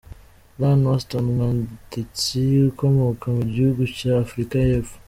Lyall Watson, umwanditsi ukomoka mu gihugu cya Afurika y’Epfo.